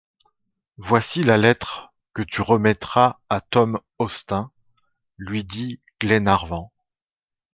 Voici la lettre que tu remettras à Tom Austin, lui dit Glenarvan.